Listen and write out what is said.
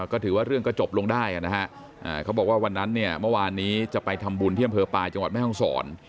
ก็ถือว่าเรื่องก็จบลงได้นะฮะเขาบอกว่าวันนั้นเนี่ยเมื่อวานนี้จะไปทำบุญที่อำเภอปลายจังหวัดแม่ห้องศร